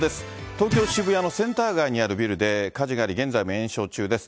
東京・渋谷のセンター街にあるビルで火事があり、現在も延焼中です。